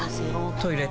トイレ